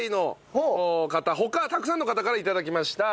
他たくさんの方から頂きました。